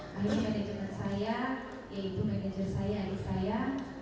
jadi manajemen saya yaitu manajer saya adik saya